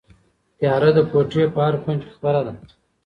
تیاره د کوټې په هر کونج کې خپره ده.